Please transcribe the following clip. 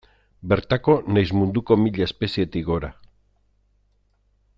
Bertako nahiz munduko mila espezietik gora.